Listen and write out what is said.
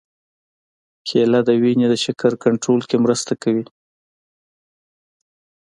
کېله د وینې د شکر کنټرول کې مرسته کوي.